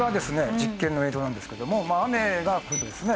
実験の映像なんですけども雨が降るとですね